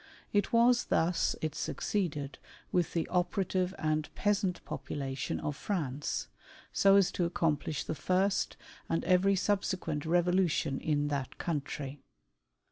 It was thus it succeeded with the operative and peasant population of France, so as to accomplish the first and every subsequent revolution in that country.